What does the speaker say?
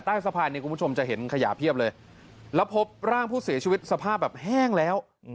ใต้สะพานเนี่ยคุณผู้ชมจะเห็นขยะเพียบเลยแล้วพบร่างผู้เสียชีวิตสภาพแบบแห้งแล้ว